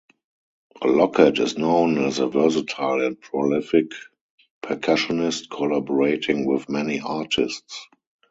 Lockett is known as a versatile and prolific percussionist, collaborating with many artists.